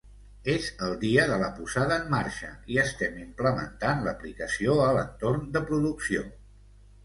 És el dia de la posada en marxa i estem implementant l"aplicació a l"entorn de producció.